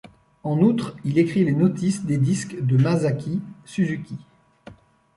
En outre, il écrit les notices des disques de Masaaki Suzuki.